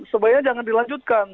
sebaiknya jangan dilanjutkan